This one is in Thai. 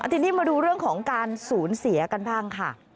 ทีนี้มาดูเรื่องของการสูญเสียกันบ้างค่ะ